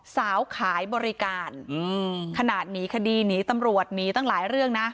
ขายบริการขนาดหนีคดีหนีตำรวจหนีตั้งหลายเรื่องนะ